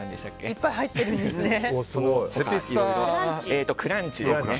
いっぱい入ってるんですね。